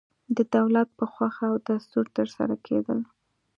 د دولت په خوښه او دستور ترسره کېدل.